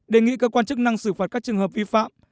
đề nghị cơ quan chức năng xử phạt các trường hợp vi phạm